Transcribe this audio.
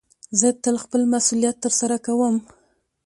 زه تل خپل مسئولیت ترسره کوم.